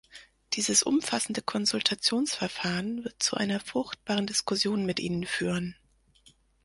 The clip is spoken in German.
Dieses umfassende Konsultationsverfahren wird zu einer fruchtbaren Diskussion mit Ihnen führen.